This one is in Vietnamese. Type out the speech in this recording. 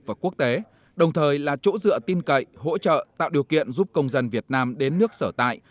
và quốc tế đồng thời là chỗ dựa tin cậy hỗ trợ tạo điều kiện giúp công dân việt nam đến nước sở tại